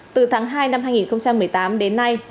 từ tháng hai năm hai nghìn một mươi tám đến nay